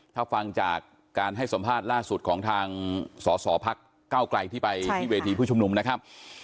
ถ้าฟังจากการให้สัมภาษณ์ล่าสุดของทางสอสอพักเก้าไกลที่ไปที่เวทีผู้ชุมนุมนะครับ